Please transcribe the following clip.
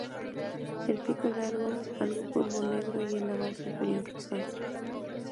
El pico largo, algo curvo, negro y en la base inferior rosado.